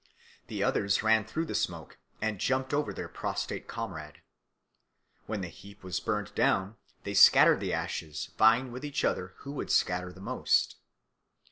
The others ran through the smoke and jumped over their prostrate comrade. When the heap was burned down, they scattered the ashes, vying with each other who should scatter them most.